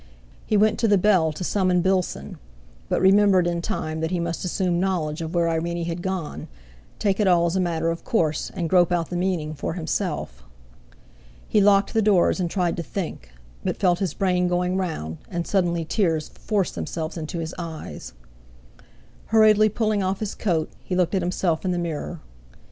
He went to the bell to summon Bilson, but remembered in time that he must assume knowledge of where Irene had gone, take it all as a matter of course, and grope out the meaning for himself. He locked the doors, and tried to think, but felt his brain going round; and suddenly tears forced themselves into his eyes. Hurriedly pulling off his coat, he looked at himself in the mirror.